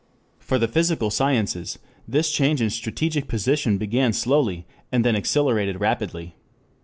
4 For the physical sciences this change in strategic position began slowly, and then accelerated rapidly.